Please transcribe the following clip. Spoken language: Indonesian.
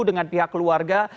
dengan pihak keluarga